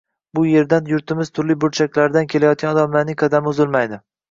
Bu yerdan yurtimiz turli burchaklaridan kelayotgan odamlarning qadami uzilmaydi